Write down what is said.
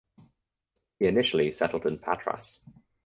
He initially settled in Patras.